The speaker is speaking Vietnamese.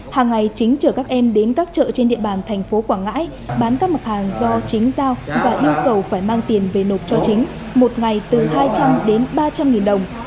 hàng ngày chính chở các em đến các chợ trên địa bàn thành phố quảng ngãi bán các mặt hàng do chính giao và yêu cầu phải mang tiền về nộp cho chính một ngày từ hai trăm linh đến ba trăm linh nghìn đồng